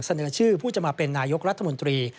เสนอชื่อผู้จะมาเป็นนายกรัฐมนตรี